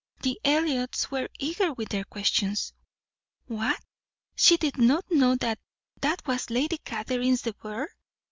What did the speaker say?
The Elliots were eager with their questions. What? she did not know that that was Lady Catherine de Bourgh?